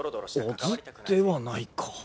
小津ではないか。